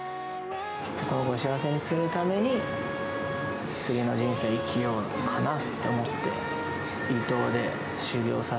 この子を幸せにするために、次の人生を生きようかなと思って。